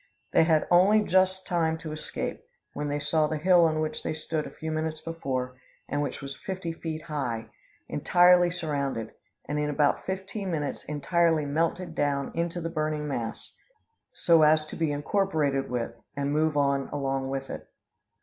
They had only just time to escape, when they saw the hill on which they stood a few minutes before, and which was fifty feet high, entirely surrounded, and, in about fifteen minutes, entirely melted down into the burning mass, so as to be incorporated with, and move on along with it.